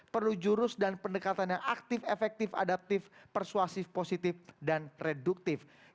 perlu jurus dan pendekatan yang aktif efektif adaptif persuasif positif dan reduktif